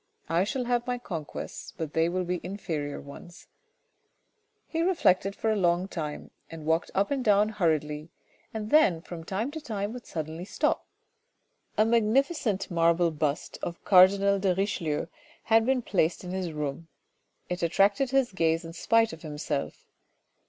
I shall have my conquests, but they will be inferior ones " He reflected for a long time, he walked up and down hurriedly, and then from time to time would suddenly stop. A magnificent marble bust of cardinal de Richelieu had been placed in his room. It attracted his gaze in spite of himself.